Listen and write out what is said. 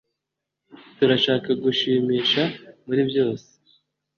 Turashaka kugushimisha muri byose